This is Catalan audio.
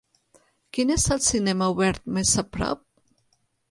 quin és el cinema obert més a prop